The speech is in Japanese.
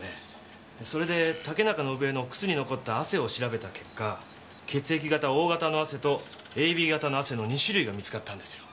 それで竹中伸枝の靴に残った汗を調べた結果血液型Ｏ型の汗とＡＢ型の汗の２種類が見つかったんですよ。